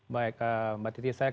baik mbak titi saya